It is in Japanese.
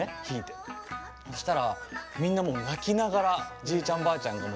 そしたら、みんな泣きながらじいちゃん、ばあちゃん